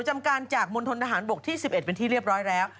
จำการจากมณฑนทหารบกที่๑๑เป็นที่เรียบร้อยแล้ว